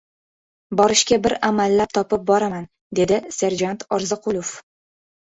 — Borishga bir amallab topib boraman, — dedi serjant Orziqulov.